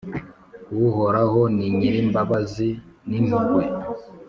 Uhoraho ni Nyir’imbabazi n’impuhwe,